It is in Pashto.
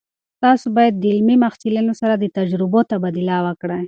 تاسو باید د علمي محصلینو سره د تجربو تبادله وکړئ.